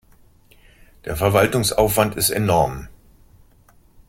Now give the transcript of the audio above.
Der Verwaltungsaufwand ist enorm.